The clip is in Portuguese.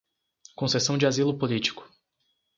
concessão de asilo político